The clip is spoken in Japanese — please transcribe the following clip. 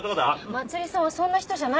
まつりさんはそんな人じゃないです。